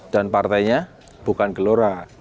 dan partainya bukan gelora